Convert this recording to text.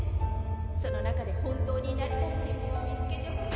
その中で本当になりたい自分を見つけて欲しい。